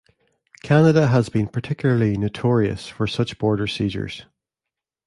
Canada has been particularly notorious for such border seizures.